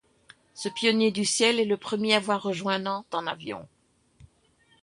Ce pionnier du ciel est le premier à avoir rejoint Nantes en avion.